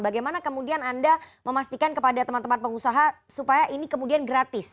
bagaimana kemudian anda memastikan kepada teman teman pengusaha supaya ini kemudian gratis